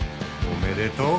おめでとう！